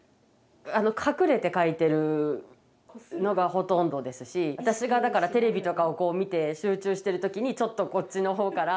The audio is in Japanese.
隠れて描いてるのがほとんどですし私がだからテレビとかをこう見て集中してる時にちょっとこっちの方から。